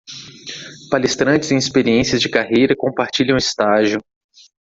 Palestrantes em experiências de carreira compartilham estágio